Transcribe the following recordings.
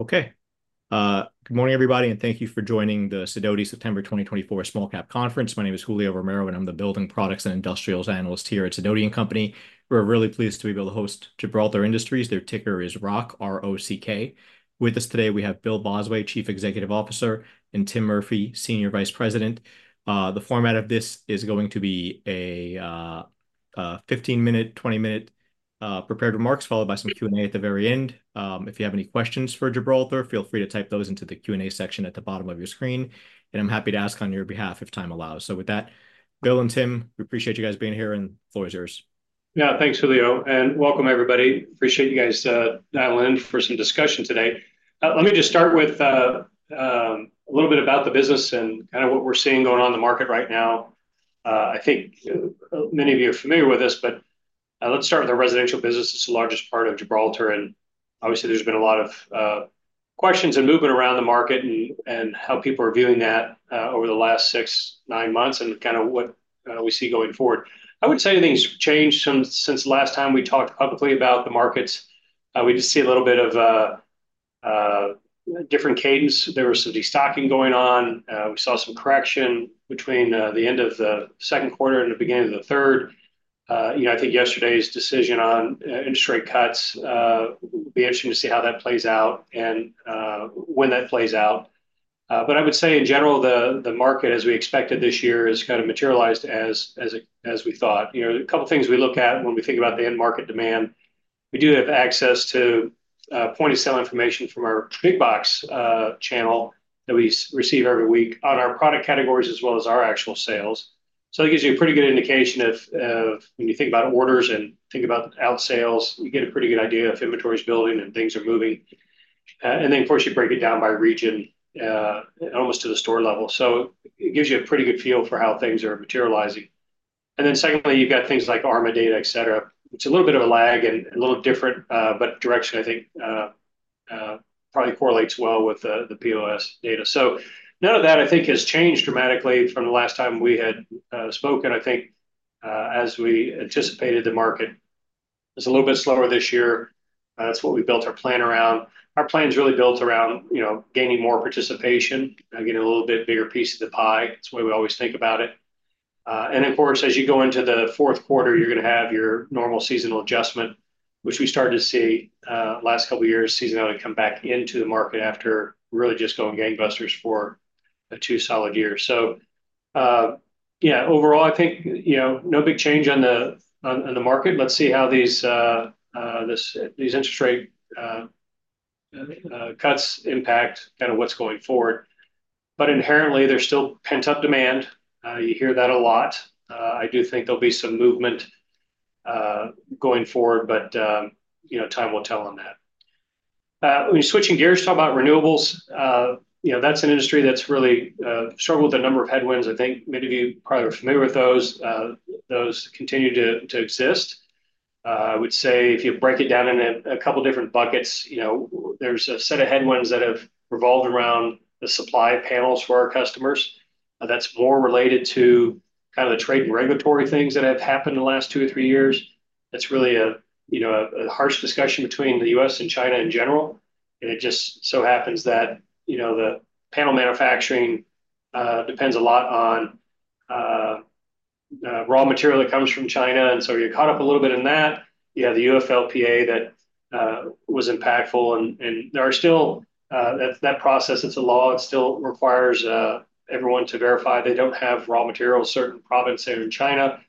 Okay, good morning, everybody, and thank you for joining the Sidoti September 2024 Small-Cap Conference. My name is Julio Romero, and I'm the Building Products and Industrials analyst here at Sidoti & Company. We're really pleased to be able to host Gibraltar Industries. Their ticker is ROCK, R-O-C-K. With us today, we have Bill Bosway, Chief Executive Officer, and Tim Murphy, Senior Vice President. The format of this is going to be a 15-minute, 20-minute prepared remarks, followed by some Q&A at the very end. If you have any questions for Gibraltar, feel free to type those into the Q&A section at the bottom of your screen, and I'm happy to ask on your behalf if time allows. So with that, Bill and Tim, we appreciate you guys being here, and the floor is yours. Yeah. Thanks, Julio, and welcome, everybody. Appreciate you guys dialing in for some discussion today. Let me just start with a little bit about the business and kind of what we're seeing going on in the market right now. I think many of you are familiar with this, but let's start with the residential business. It's the largest part of Gibraltar, and obviously, there's been a lot of questions and movement around the market and how people are viewing that over the last six, nine months, and kind of what we see going forward. I would say things have changed since last time we talked publicly about the markets. We just see a little bit of a different cadence. There was some destocking going on. We saw some correction between the end of the second quarter and the beginning of the third. You know, I think yesterday's decision on interest rate cuts will be interesting to see how that plays out and when that plays out. But I would say in general, the market as we expected this year has kind of materialized as we thought. You know, a couple things we look at when we think about the end market demand, we do have access to point-of-sale information from our big box channel that we receive every week on our product categories, as well as our actual sales. So it gives you a pretty good indication of when you think about orders and think about our sales, we get a pretty good idea of inventories building and things are moving. And then of course, you break it down by region, almost to the store level. So it gives you a pretty good feel for how things are materializing. And then secondly, you've got things like ARMA data, et cetera. It's a little bit of a lag and a little different, but direction, I think, probably correlates well with the POS data. So none of that, I think, has changed dramatically from the last time we had spoken. I think, as we anticipated, the market is a little bit slower this year. That's what we built our plan around. Our plan's really built around, you know, gaining more participation, getting a little bit bigger piece of the pie. That's the way we always think about it. And then of course, as you go into the fourth quarter, you're gonna have your normal seasonal adjustment, which we started to see, last couple of years, seasonality come back into the market after really just going gangbusters for a two solid years. So, yeah, overall, I think, you know, no big change on the market. Let's see how these interest rate cuts impact kind of what's going forward. But inherently, there's still pent-up demand. You hear that a lot. I do think there'll be some movement going forward, but, you know, time will tell on that. When switching gears, talking about renewables, you know, that's an industry that's really struggled with a number of headwinds. I think many of you probably are familiar with those. Those continue to exist. I would say if you break it down into a couple different buckets, you know, there's a set of headwinds that have revolved around the supply of panels for our customers. That's more related to kind of the trade and regulatory things that have happened in the last two or three years. That's really, you know, a harsh discussion between the US and China in general, and it just so happens that, you know, the panel manufacturing depends a lot on raw material that comes from China, and so you're caught up a little bit in that. You have the UFLPA that was impactful and there are still that process. It's a law. It still requires everyone to verify they don't have raw materials, certain provinces in China,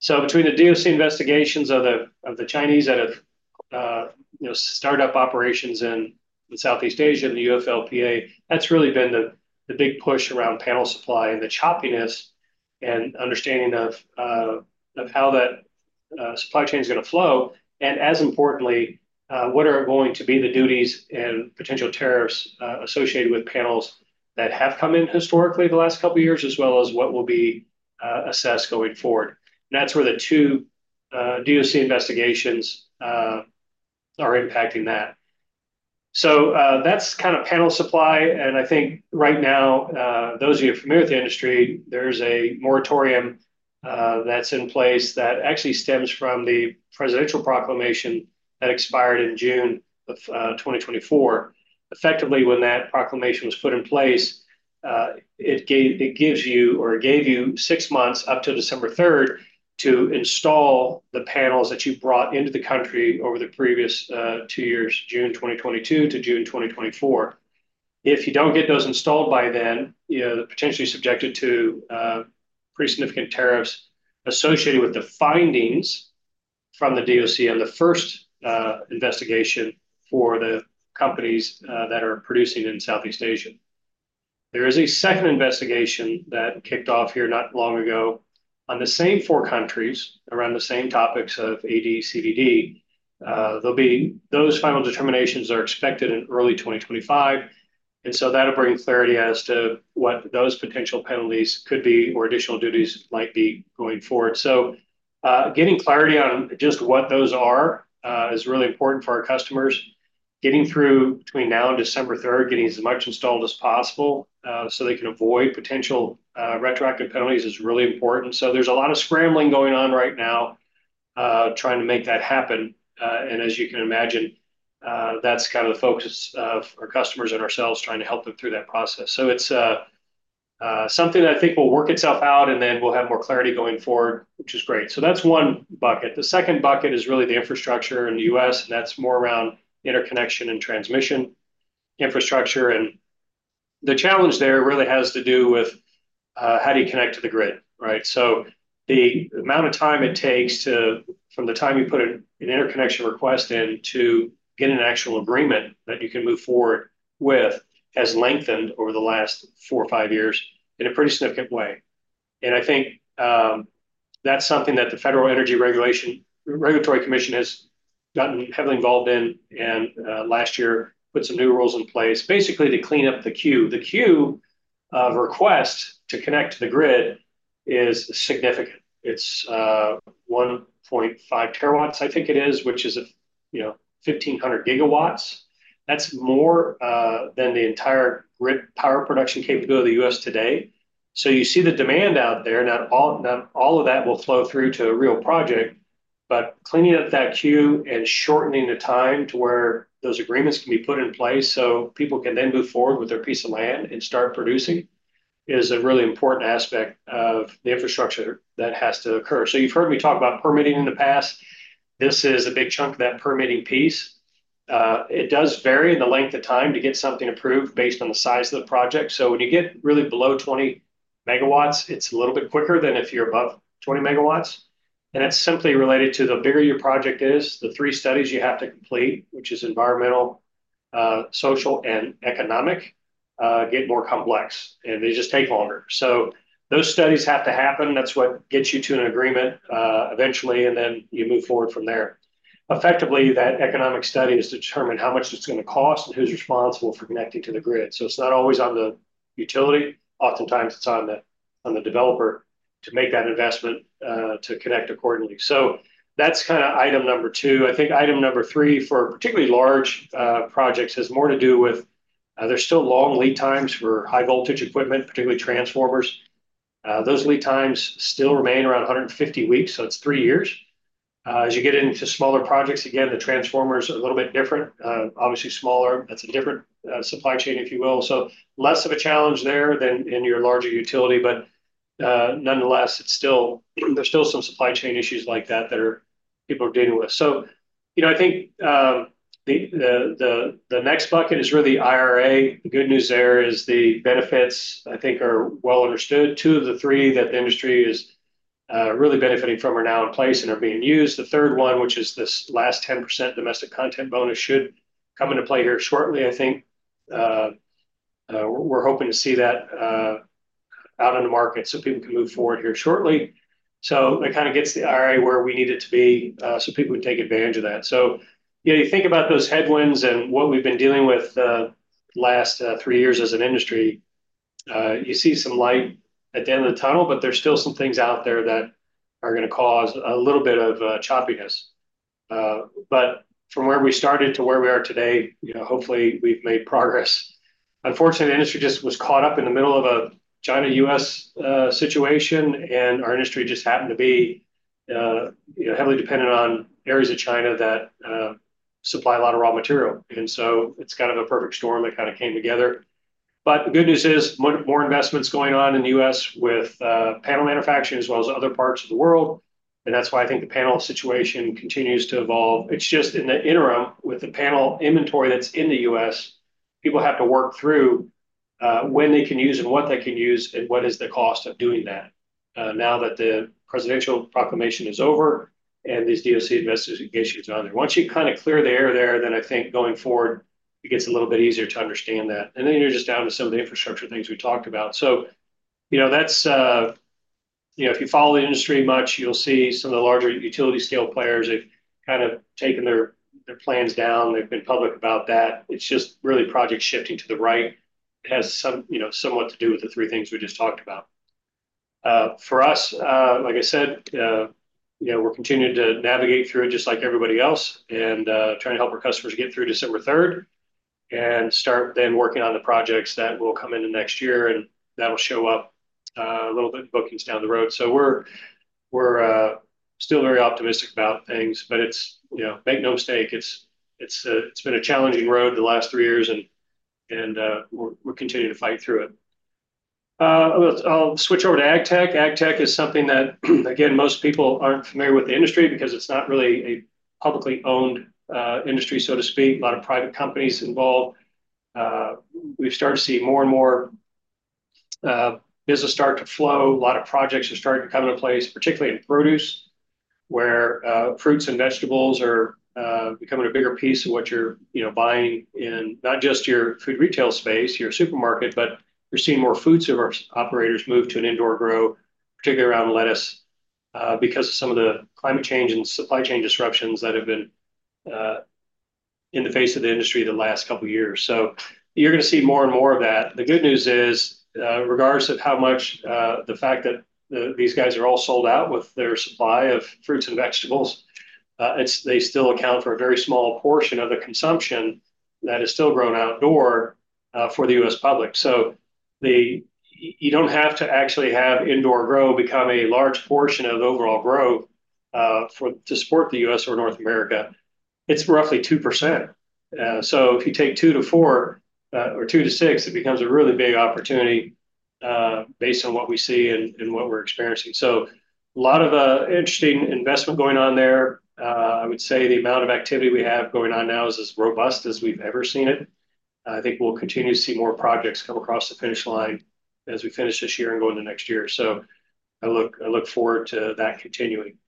so between the DOC investigations of the Chinese that have, you know, start-up operations in Southeast Asia and the UFLPA, that's really been the big push around panel supply and the choppiness and understanding of how that supply chain is gonna flow, and as importantly, what are going to be the duties and potential tariffs associated with panels that have come in historically the last couple of years, as well as what will be assessed going forward, and that's where the two DOC investigations are impacting that. That's kind of panel supply, and I think right now, those of you familiar with the industry, there's a moratorium that's in place that actually stems from the presidential proclamation that expired in June of 2024. Effectively, when that proclamation was put in place, it gave it gives you, or it gave you six months up till December third to install the panels that you brought into the country over the previous two years, June 2022 to June 2024. If you don't get those installed by then, you know, potentially subjected to pretty significant tariffs associated with the findings from the DOC on the first investigation for the companies that are producing in Southeast Asia. There is a second investigation that kicked off here not long ago on the same four countries around the same topics of AD/CVD. There'll be those final determinations are expected in early 2025, and so that'll bring clarity as to what those potential penalties could be or additional duties might be going forward. Getting clarity on just what those are is really important for our customers. Getting through between now and December third, getting as much installed as possible so they can avoid potential retroactive penalties, is really important. So there's a lot of scrambling going on right now, trying to make that happen. And as you can imagine, that's kind of the focus of our customers and ourselves, trying to help them through that process. So it's something that I think will work itself out, and then we'll have more clarity going forward, which is great. So that's one bucket. The second bucket is really the infrastructure in the U.S., and that's more around interconnection and transmission infrastructure, and the challenge there really has to do with how do you connect to the grid, right? So the amount of time it takes to, from the time you put an interconnection request in to get an actual agreement that you can move forward with, has lengthened over the last four or five years in a pretty significant way. And I think that's something that the Federal Energy Regulatory Commission has gotten heavily involved in, and last year put some new rules in place, basically to clean up the queue. The queue of requests to connect to the grid is significant. It's 1.5 TW, I think it is, which is a, you know, 1,500 GW. That's more than the entire grid power production capability of the U.S. today. So you see the demand out there. Not all of that will flow through to a real project, but cleaning up that queue and shortening the time to where those agreements can be put in place, so people can then move forward with their piece of land and start producing, is a really important aspect of the infrastructure that has to occur. So you've heard me talk about permitting in the past. This is a big chunk of that permitting piece. It does vary in the length of time to get something approved, based on the size of the project. So when you get really below 20 MW, it's a little bit quicker than if you're above 20 MW, and that's simply related to the bigger your project is, the three studies you have to complete, which is environmental, social, and economic, get more complex, and they just take longer. So those studies have to happen. That's what gets you to an agreement, eventually, and then you move forward from there. Effectively, that economic study is to determine how much it's gonna cost and who's responsible for connecting to the grid. So it's not always on the utility. Oftentimes, it's on the developer to make that investment, to connect accordingly. So that's kinda item number two. I think item number three, for particularly large projects, has more to do with, there's still long lead times for high-voltage equipment, particularly transformers. Those lead times still remain around 150 weeks, so it's three years. As you get into smaller projects, again, the transformers are a little bit different. Obviously smaller, that's a different supply chain, if you will. So less of a challenge there than in your larger utility, but nonetheless, it's still, there's still some supply chain issues like that that people are dealing with. So, you know, I think, the next bucket is really IRA. The good news there is the benefits, I think, are well understood. Two of the three that the industry is really benefiting from are now in place and are being used. The third one, which is this last 10% domestic content bonus, should come into play here shortly, I think. We're hoping to see that out in the market so people can move forward here shortly. So it kinda gets the IRA where we need it to be, so people would take advantage of that. So, you know, you think about those headwinds and what we've been dealing with, the last three years as an industry, you see some light at the end of the tunnel, but there's still some things out there that are gonna cause a little bit of choppiness. But from where we started to where we are today, you know, hopefully we've made progress. Unfortunately, the industry just was caught up in the middle of a China-U.S. situation, and our industry just happened to be, you know, heavily dependent on areas of China that supply a lot of raw material. And so it's kind of a perfect storm that kinda came together. But the good news is, more investment's going on in the U.S. with panel manufacturing, as well as other parts of the world, and that's why I think the panel situation continues to evolve. It's just in the interim, with the panel inventory that's in the U.S., people have to work through when they can use and what they can use, and what is the cost of doing that, now that the Presidential Proclamation is over and these DOC investigation issues are out there. Once you kinda clear the air there, then I think going forward, it gets a little bit easier to understand that, and then you're just down to some of the infrastructure things we talked about. So, you know, that's... You know, if you follow the industry much, you'll see some of the larger utility scale players, they've kind of taken their plans down. They've been public about that. It's just really project shifting to the right. It has some, you know, somewhat to do with the three things we just talked about. For us, like I said, you know, we're continuing to navigate through it just like everybody else, and trying to help our customers get through December 3rd, and start then working on the projects that will come into next year, and that'll show up a little bit in bookings down the road. So we're still very optimistic about things, but it's you know, make no mistake, it's been a challenging road the last three years, and we're continuing to fight through it. I'll switch over to agtech. Agtech is something that, again, most people aren't familiar with the industry because it's not really a publicly owned, industry, so to speak. A lot of private companies involved. We've started to see more and more, business start to flow. A lot of projects are starting to come into place, particularly in produce, where, fruits and vegetables are, becoming a bigger piece of what you're, you know, buying in, not just your food retail space, your supermarket, but we're seeing more food service operators move to an indoor grow, particularly around lettuce, because of some of the climate change and supply chain disruptions that have been, in the face of the industry the last couple years. So you're gonna see more and more of that. The good news is, regardless of how much, the fact that, these guys are all sold out with their supply of fruits and vegetables, it's. They still account for a very small portion of the consumption that is still grown outdoor, for the U.S. public. You don't have to actually have indoor grow become a large portion of the overall growth, for to support the U.S. or North America. It's roughly 2%. So if you take 2%-4%, or 2%-6%, it becomes a really big opportunity, based on what we see and what we're experiencing. So a lot of interesting investment going on there. I would say the amount of activity we have going on now is as robust as we've ever seen it. I think we'll continue to see more projects come across the finish line as we finish this year and go into next year, so I look forward to that continuing.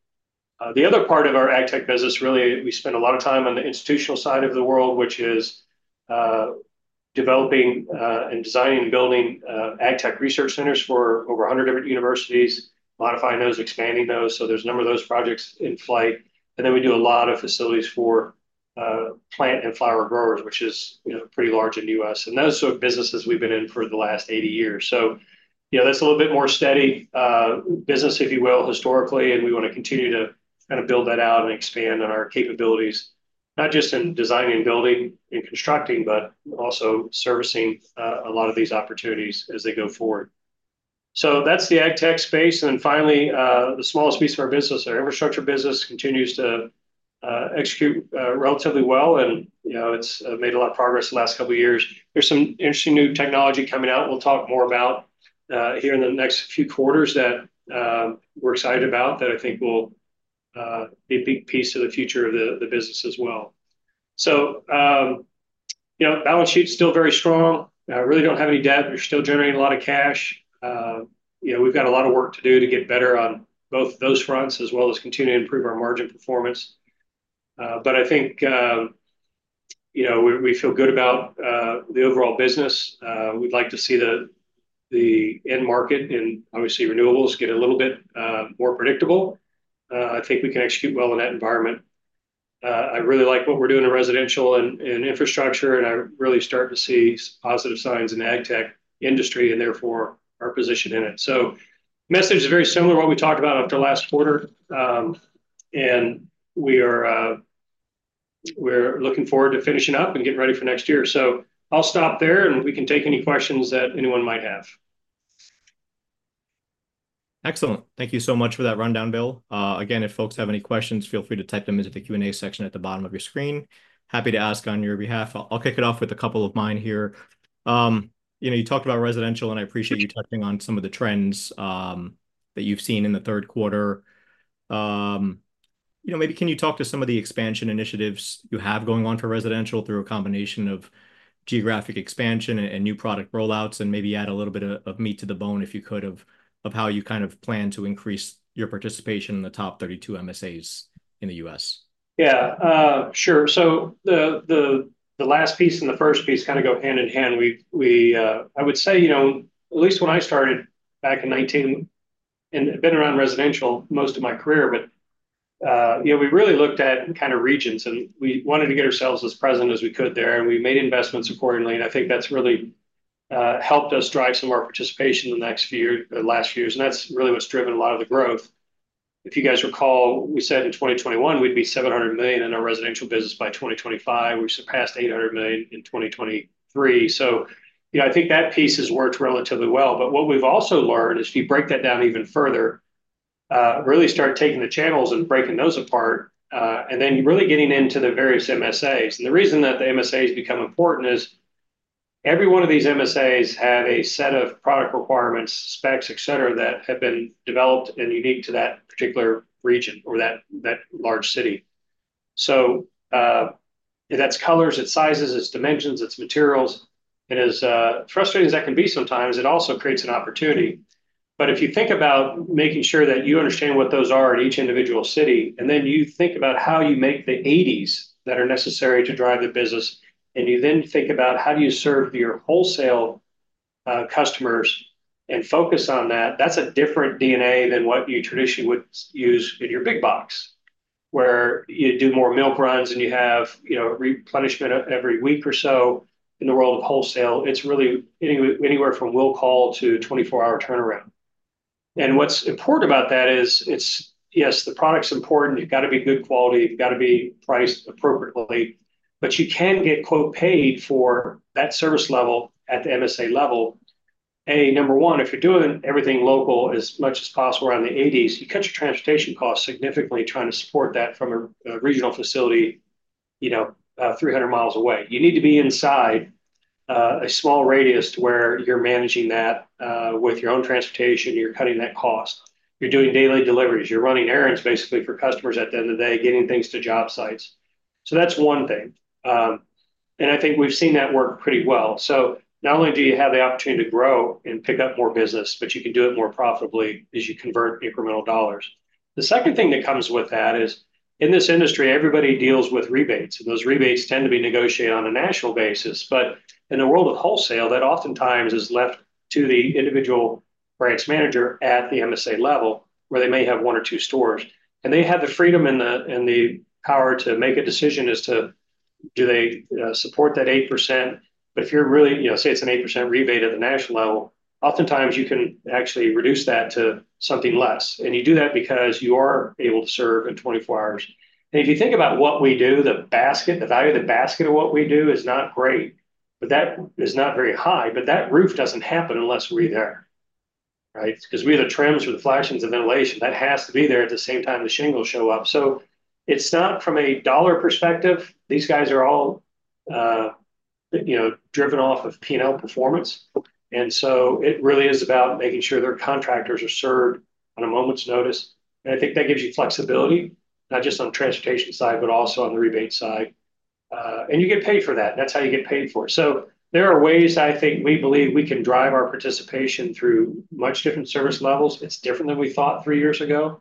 The other part of our Agtech business, really, we spend a lot of time on the institutional side of the world, which is developing and designing and building Agtech research centers for over a hundred different universities, modifying those, expanding those, so there's a number of those projects in flight. And then we do a lot of facilities for plant and flower growers, which is, you know, pretty large in the U.S., and those sort of businesses we've been in for the last 80 years. So, you know, that's a little bit more steady business, if you will, historically, and we wanna continue to kinda build that out and expand on our capabilities, not just in designing and building and constructing, but also servicing a lot of these opportunities as they go forward. That's the agtech space, and then finally, the smallest piece of our business, our infrastructure business, continues to execute relatively well, and, you know, it's made a lot of progress in the last couple of years. There's some interesting new technology coming out, we'll talk more about here in the next few quarters that we're excited about, that I think will be a big piece of the future of the business as well. You know, balance sheet's still very strong. I really don't have any debt. We're still generating a lot of cash. You know, we've got a lot of work to do to get better on both of those fronts, as well as continue to improve our margin performance. But I think, you know, we feel good about the overall business. We'd like to see the end market in, obviously, renewables get a little bit more predictable. I think we can execute well in that environment. I really like what we're doing in residential and infrastructure, and I really start to see some positive signs in the ag tech industry, and therefore our position in it. The message is very similar to what we talked about after last quarter, and we're looking forward to finishing up and getting ready for next year. So I'll stop there, and we can take any questions that anyone might have. Excellent. Thank you so much for that rundown, Bill. Again, if folks have any questions, feel free to type them into the Q&A section at the bottom of your screen. Happy to ask on your behalf. I'll kick it off with a couple of mine here. You know, you talked about residential, and I appreciate you touching on some of the trends that you've seen in the third quarter. You know, maybe can you talk to some of the expansion initiatives you have going on for residential through a combination of geographic expansion and new product rollouts, and maybe add a little bit of meat to the bone, if you could, of how you kind of plan to increase your participation in the top 32 MSAs in the U.S.? Yeah, sure. So the last piece and the first piece kind of go hand in hand. We... I would say, you know, at least when I started back in nineteen and I've been around residential most of my career, but, you know, we really looked at kind of regions, and we wanted to get ourselves as present as we could there, and we made investments accordingly, and I think that's really helped us drive some more participation in the last few years, and that's really what's driven a lot of the growth. If you guys recall, we said in 2021, we'd be $700 million in our residential business by 2025. We surpassed $800 million in 2023. So, you know, I think that piece has worked relatively well. But what we've also learned is, if you break that down even further, really start taking the channels and breaking those apart, and then really getting into the various MSAs, and the reason that the MSAs become important is every one of these MSAs have a set of product requirements, specs, et cetera, that have been developed and unique to that particular region or that large city. So, that's colors, it's sizes, it's dimensions, it's materials. And as frustrating as that can be sometimes, it also creates an opportunity. But if you think about making sure that you understand what those are in each individual city, and then you think about how you make the edits that are necessary to drive the business, and you then think about how do you serve your wholesale customers and focus on that, that's a different D&A than what you traditionally would use in your big box, where you do more milk runs, and you have, you know, replenishment every week or so. In the world of wholesale, it's really anywhere from will call to 24-hour turnaround. And what's important about that is, it's. Yes, the product's important, you've gotta be good quality, you've gotta be priced appropriately, but you can get, quote, "paid" for that service level at the MSA level. Number one, if you're doing everything local as much as possible around the eighties, you cut your transportation costs significantly, trying to support that from a regional facility, you know, 300 mi away. You need to be inside a small radius to where you're managing that with your own transportation, you're cutting that cost. You're doing daily deliveries, you're running errands, basically, for customers at the end of the day, getting things to job sites. So that's one thing. And I think we've seen that work pretty well. So not only do you have the opportunity to grow and pick up more business, but you can do it more profitably as you convert incremental dollars. The second thing that comes with that is, in this industry, everybody deals with rebates, and those rebates tend to be negotiated on a national basis. But in the world of wholesale, that oftentimes is left to the individual branch manager at the MSA level, where they may have one or two stores, and they have the freedom and the power to make a decision as to do they support that 8%? But if you're really, you know, say it's an 8% rebate at the national level, oftentimes you can actually reduce that to something less, and you do that because you are able to serve in 24 hours. And if you think about what we do, the basket, the value of the basket of what we do is not great, but that is not very high, but that roof doesn't happen unless we're there, right? Because we have the trims or the flashings, the ventilation that has to be there at the same time the shingles show up. So it's not from a dollar perspective. These guys are all, you know, driven off of P&L performance, and so it really is about making sure their contractors are served on a moment's notice. And I think that gives you flexibility, not just on the transportation side, but also on the rebate side. And you get paid for that, and that's how you get paid for it. So there are ways I think we believe we can drive our participation through much different service levels. It's different than we thought three years ago.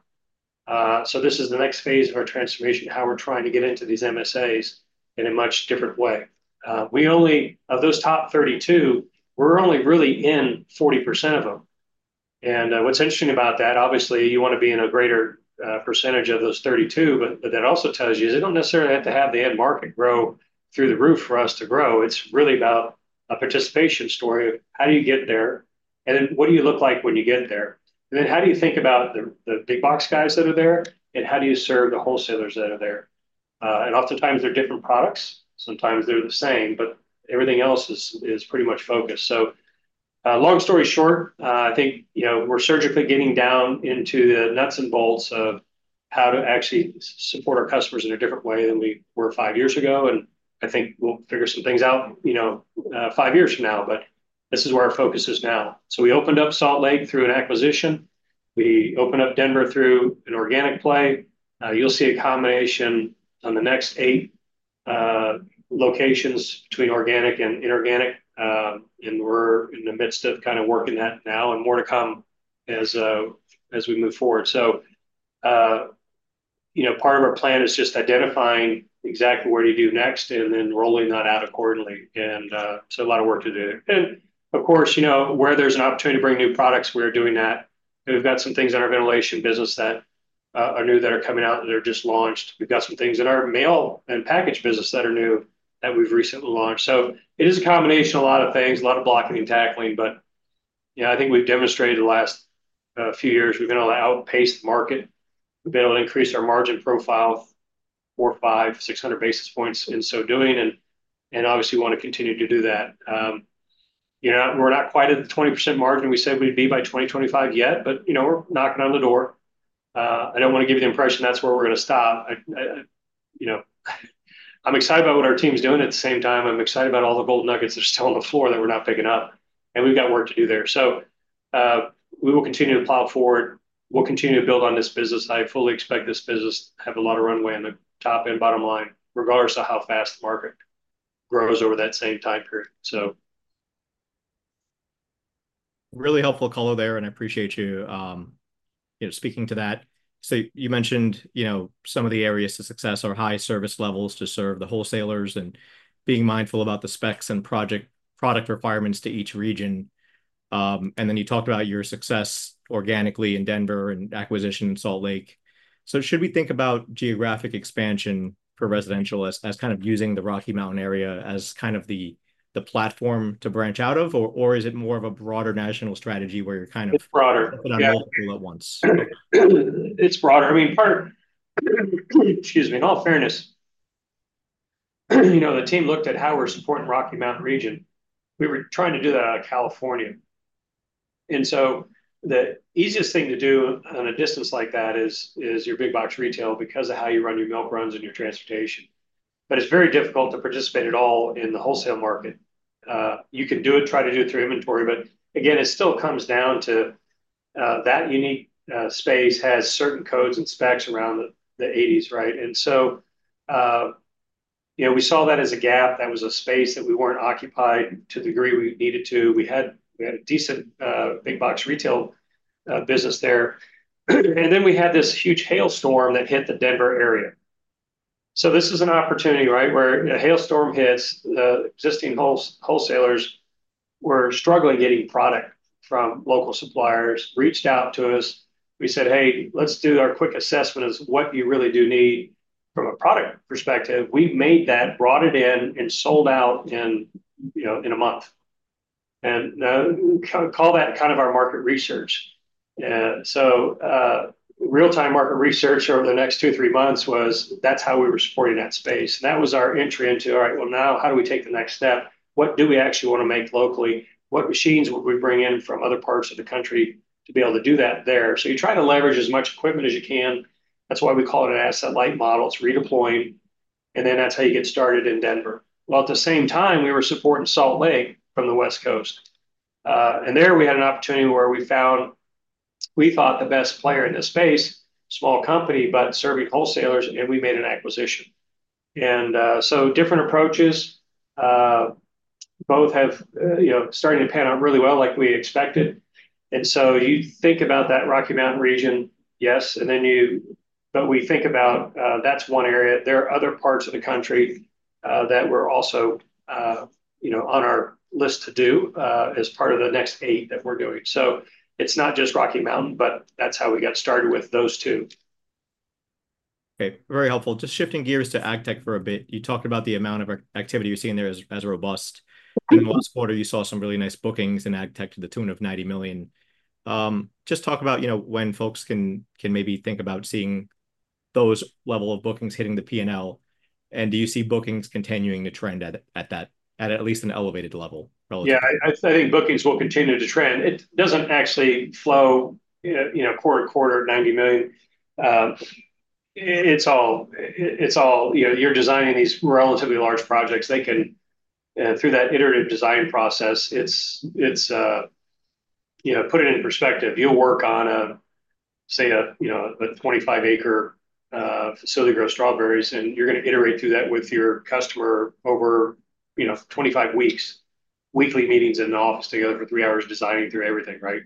So this is the next phase of our transformation, how we're trying to get into these MSAs in a much different way. Of those top 32, we're only really in 40% of them. What's interesting about that, obviously, you want to be in a greater percentage of those 32, but that also tells you that they don't necessarily have to have the end market grow through the roof for us to grow. It's really about a participation story of how do you get there, and then what do you look like when you get there? And then how do you think about the big box guys that are there, and how do you serve the wholesalers that are there? And oftentimes they're different products. Sometimes they're the same, but everything else is pretty much focused. So, long story short, I think, you know, we're surgically getting down into the nuts and bolts of how to actually support our customers in a different way than we were five years ago, and I think we'll figure some things out, you know, five years from now. But this is where our focus is now. So we opened up Salt Lake through an acquisition. We opened up Denver through an organic play. You'll see a combination on the next eight locations between organic and inorganic, and we're in the midst of kind of working that now, and more to come as we move forward. So, you know, part of our plan is just identifying exactly where to do next and then rolling that out accordingly. And, so a lot of work to do. Of course, you know, where there's an opportunity to bring new products, we're doing that. We've got some things in our ventilation business that are new, that are coming out, that are just launched. We've got some things in our mail and package business that are new, that we've recently launched. It is a combination of a lot of things, a lot of blocking and tackling, but, you know, I think we've demonstrated the last few years, we've been able to outpace the market. We've been able to increase our margin profile 400, 500, 600 basis points in so doing and obviously want to continue to do that. You know, we're not quite at the 20% margin we said we'd be by 2025 yet, but, you know, we're knocking on the door. I don't wanna give you the impression that's where we're gonna stop. I, you know, I'm excited about what our team's doing. At the same time, I'm excited about all the gold nuggets that are still on the floor that we're not picking up, and we've got work to do there. So, we will continue to plow forward. We'll continue to build on this business. I fully expect this business to have a lot of runway on the top and bottom line, regardless of how fast the market grows over that same time period, so. Really helpful color there, and I appreciate you, you know, speaking to that. So you mentioned, you know, some of the areas to success are high service levels to serve the wholesalers and being mindful about the specs and product requirements to each region. And then you talked about your success organically in Denver and acquisition in Salt Lake. So should we think about geographic expansion for residential as, as kind of using the Rocky Mountain area as kind of the, the platform to branch out of, or, or is it more of a broader national strategy where you're kind of- It's broader -but on multiple at once? It's broader. I mean, part of, excuse me. In all fairness, you know, the team looked at how we're supporting Rocky Mountain region. We were trying to do that out of California, and so the easiest thing to do on a distance like that is your big box retail because of how you run your milk runs and your transportation. But it's very difficult to participate at all in the wholesale market. You can do it, try to do it through inventory, but again, it still comes down to that unique space has certain codes and specs around the eighties, right? And so, you know, we saw that as a gap. That was a space that we weren't occupied to the degree we needed to. We had a decent big box retail business there. And then we had this huge hailstorm that hit the Denver area. So this is an opportunity, right? Where a hailstorm hits, the existing wholesalers were struggling getting product from local suppliers, reached out to us. We said, "Hey, let's do our quick assessment of what you really do need from a product perspective." We've made that, brought it in, and sold out in, you know, in a month. And call that kind of our market research. So real-time market research over the next two, three months was... That's how we were supporting that space, and that was our entry into, "All right, well, now how do we take the next step? What do we actually wanna make locally? What machines would we bring in from other parts of the country to be able to do that there?" so you try to leverage as much equipment as you can. That's why we call it an asset-light model. It's redeploying, and then that's how you get started in Denver, well, at the same time, we were supporting Salt Lake from the West Coast, and there we had an opportunity where we found, we thought, the best player in this space, small company, but serving wholesalers, and we made an acquisition, and so different approaches, both have, you know, starting to pan out really well like we expected, and so you think about that Rocky Mountain region, yes, and then but we think about, that's one area. There are other parts of the country that we're also, you know, on our list to do as part of the next eight that we're doing. So it's not just Rocky Mountain, but that's how we got started with those two.... Okay, very helpful. Just shifting gears to Agtech for a bit. You talked about the amount of activity you're seeing there as robust. In the last quarter, you saw some really nice bookings in Agtech to the tune of $90 million. Just talk about, you know, when folks can maybe think about seeing those level of bookings hitting the P&L, and do you see bookings continuing to trend at least at an elevated level relatively? Yeah, I think bookings will continue to trend. It doesn't actually flow, you know, quarter to quarter, $90 million. It's all. You know, you're designing these relatively large projects. They can through that iterative design process, it's, you know, put it in perspective, you'll work on a, say, a, you know, a 25-acre facility to grow strawberries, and you're gonna iterate through that with your customer over, you know, 25 weeks. Weekly meetings in the office together for 3 hours, designing through everything, right?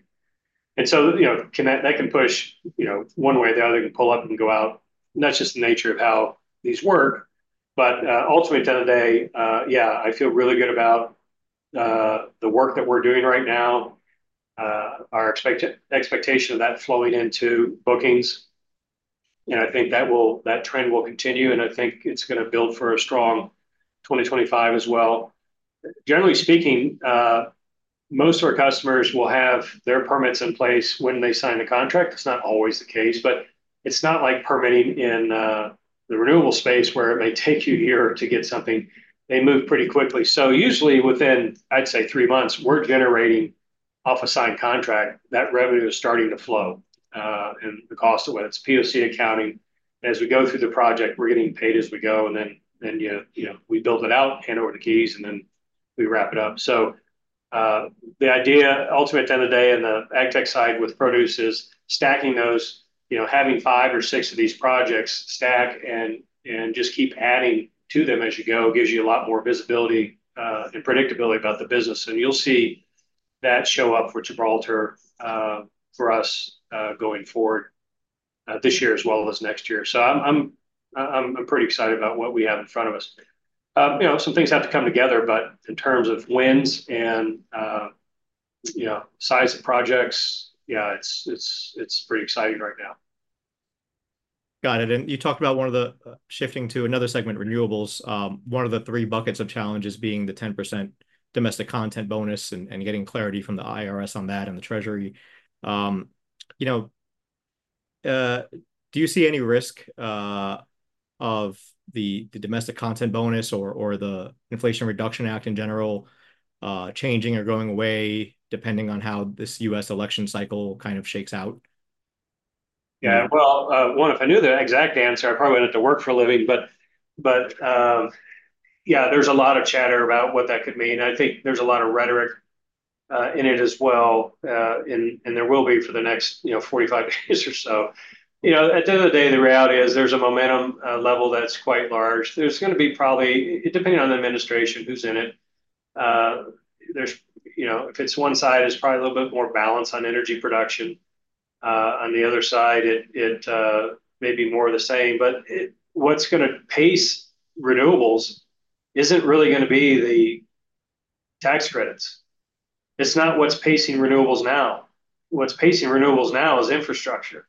And so, you know, can that, that can push, you know, one way or the other, it can pull up and go out, and that's just the nature of how these work. Ultimately at the end of the day, yeah, I feel really good about the work that we're doing right now, our expectation of that flowing into bookings, and I think that trend will continue, and I think it's gonna build for a strong 2025 as well. Generally speaking, most of our customers will have their permits in place when they sign the contract. It's not always the case, but it's not like permitting in the renewable space, where it may take you a year to get something. They move pretty quickly. So usually within, I'd say three months, we're generating off a signed contract, that revenue is starting to flow, and the cost of whether it's POC accounting. As we go through the project, we're getting paid as we go, and then, you know, we build it out, hand over the keys, and then we wrap it up, so the idea, ultimate at the end of the day, in the Agtech side with produce is stacking those, you know, having five or six of these projects stack and just keep adding to them as you go, gives you a lot more visibility and predictability about the business, and you'll see that show up for Gibraltar, for us, going forward, this year as well as next year, so I'm pretty excited about what we have in front of us. You know, some things have to come together, but in terms of wins and, you know, size of projects, yeah, it's pretty exciting right now. Got it. And you talked about one of the, shifting to another segment, renewables, one of the three buckets of challenges being the 10% domestic content bonus and getting clarity from the IRS on that and the Treasury. You know, do you see any risk of the domestic content bonus or the Inflation Reduction Act in general changing or going away, depending on how this U.S. election cycle kind of shakes out? Yeah. Well, one, if I knew the exact answer, I probably wouldn't have to work for a living. But yeah, there's a lot of chatter about what that could mean. I think there's a lot of rhetoric in it as well, and there will be for the next 45 days or so. You know, at the end of the day, the reality is there's a momentum level that's quite large. There's gonna be probably, depending on the administration who's in it, you know, if it's one side, it's probably a little bit more balance on energy production. On the other side, it may be more of the same. But what's gonna pace renewables isn't really gonna be the tax credits. It's not what's pacing renewables now. What's pacing renewables now is infrastructure.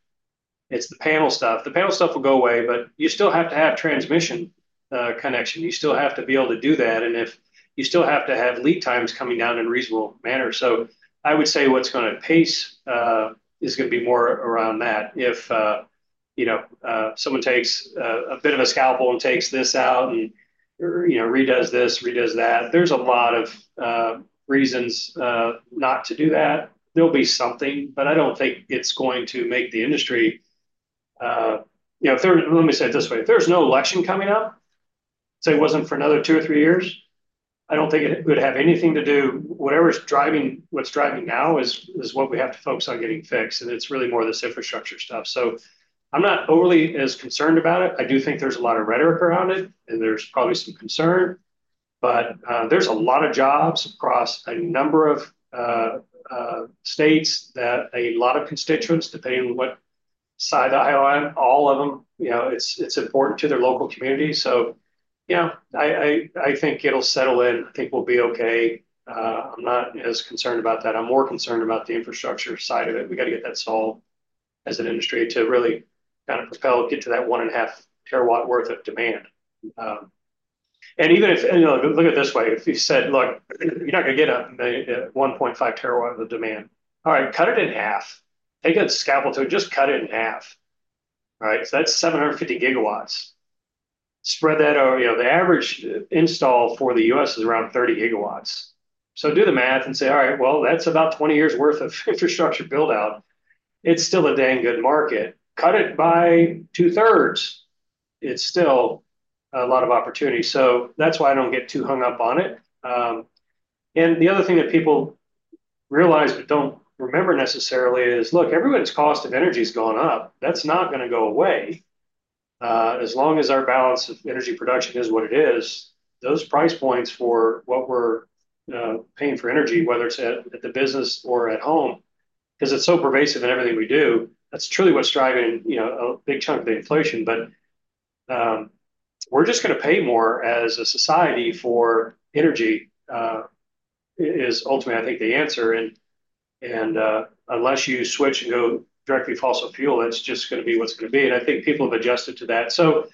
It's the panel stuff. The panel stuff will go away, but you still have to have transmission, connection. You still have to be able to do that, and if you still have to have lead times coming down in a reasonable manner. So I would say what's gonna pace, is gonna be more around that. If, you know, someone takes, a bit of a scalpel and takes this out and, you know, redoes this, redoes that, there's a lot of, reasons, not to do that. There'll be something, but I don't think it's going to make the industry... You know, let me say it this way, if there was no election coming up, say, it wasn't for another two or three years, I don't think it would have anything to do... Whatever's driving, what's driving now is what we have to focus on getting fixed, and it's really more this infrastructure stuff. I'm not overly as concerned about it. I do think there's a lot of rhetoric around it, and there's probably some concern, but there's a lot of jobs across a number of states that a lot of constituents, depending on what side of the aisle, all of them, you know, it's important to their local community. Yeah, I think it'll settle in. I think we'll be okay. I'm not as concerned about that. I'm more concerned about the infrastructure side of it. We got to get that solved as an industry to really kind of propel, get to that 1.5 TW worth of demand. And even if, you know, look at it this way: if you said, "Look, you're not gonna get a 1.5 TW of the demand." All right, cut it in half. Take that scalpel to it, just cut it in half, right? So that's 750 GW. Spread that out, you know, the average install for the U.S. is around 30 GW. So do the math and say, "All right, well, that's about twenty years' worth of infrastructure build-out." It's still a damn good market. Cut it by two-thirds, it's still a lot of opportunity. So that's why I don't get too hung up on it. And the other thing that people realize but don't remember necessarily is, look, everyone's cost of energy is going up. That's not gonna go away. As long as our balance of energy production is what it is, those price points for what we're paying for energy, whether it's at the business or at home, 'cause it's so pervasive in everything we do, that's truly what's driving, you know, a big chunk of the inflation. But we're just gonna pay more as a society for energy is ultimately, I think, the answer, and unless you switch and go directly fossil fuel, that's just gonna be what's gonna be, and I think people have adjusted to that. So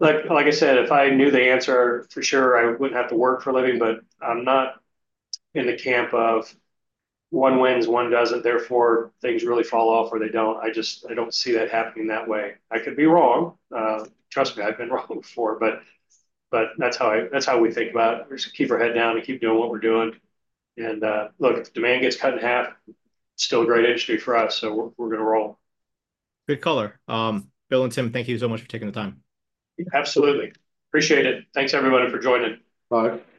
like I said, if I knew the answer for sure, I wouldn't have to work for a living, but I'm not in the camp of one wins, one doesn't, therefore, things really fall off or they don't. I just don't see that happening that way. I could be wrong. Trust me, I've been wrong before, but that's how we think about it. We just keep our head down and keep doing what we're doing. And, look, if demand gets cut in half, still a great industry for us, so we're gonna roll. Good color. Bill and Tim, thank you so much for taking the time. Absolutely. Appreciate it. Thanks, everybody, for joining. Bye. Thanks.